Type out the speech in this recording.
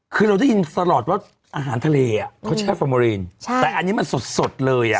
คือเราได้ยินตลอดว่าอาหารทะเลอ่ะเขาแช่ฟอร์โมรีนใช่แต่อันนี้มันสดสดเลยอ่ะ